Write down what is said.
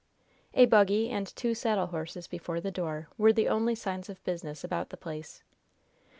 A buggy and two saddle horses before the door were the only signs of business about the place.